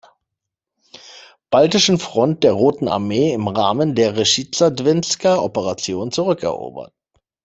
Baltischen Front der Roten Armee im Rahmen der Reschiza-Dwinsker Operation zurückerobert.